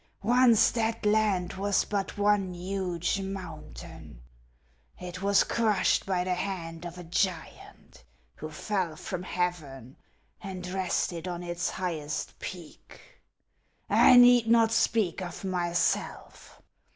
Once that land was but one huge mountain ; it was crushed by the hand of a giant, who fell from heaven, and rested on its highest peak. 1 need not speak of myself.